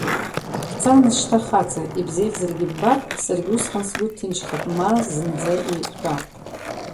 Бца нас, шьҭа хаҵа, ибзеиӷьзаргьы ббап, саргь усҟан сгәы ҭынчхап, ма зынӡа еиқәтәап!